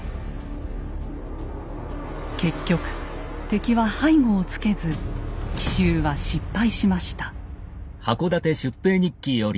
結局敵は背後をつけず奇襲は失敗しました。